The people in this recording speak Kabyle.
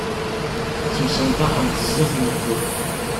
Ad temsenḍaḥemt zdat medden.